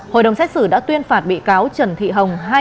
hội đồng xét xử đã tuyên phạt bị cáo trần thị hồng